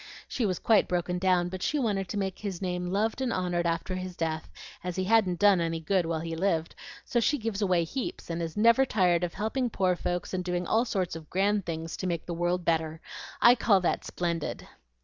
She was quite broken down, but she wanted to make his name loved and honored after his death, as he hadn't done any good while he lived; so she gives away heaps, and is never tired of helping poor folks and doing all sorts of grand things to make the world better. I call that splendid!"